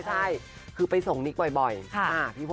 ใช่คือไปส่งนิ๊กซ์บ่อยป่อย